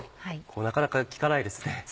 なかなか聞かないですね。